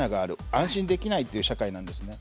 安心できないという社会なんですね。